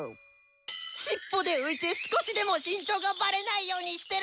しっぽで浮いて少しでも身長がバレないようにしてるのに！